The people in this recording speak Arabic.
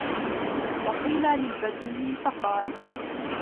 وَقِيلَ لِلْبَدْوِيِّ فَقَالَ